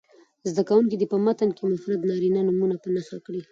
زده کوونکي دې په متن کې مفرد نارینه نومونه په نښه کړي.